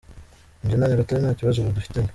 njye na Nyagatare nta kibazo ubu dufitanye.